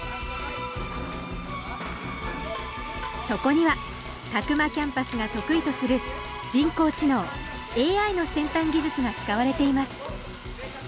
そこには詫間キャンパスが得意とする人工知能ＡＩの先端技術が使われています